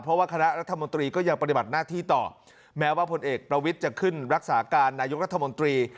เพราะว่าคณะรัฐมนตรีก็ยังปฏิบัติหน้าที่ต่อแม้ว่าผลเอกประวิทย์จะขึ้นรักษาการนายกรัฐมนตรี